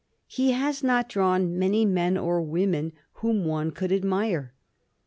He has not drawn many men or women whom one could admire.